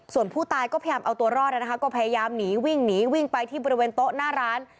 ส่วนผู้ตายก็พยายามเอาตัวรอดนะคะก็พยายามหนีวิ่งหนีวิ่งไปที่บริเวณโต๊ะหน้าร้าน